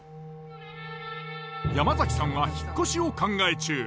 山崎さんは引っ越しを考え中。